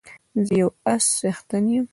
زه د يو اس څښتن يم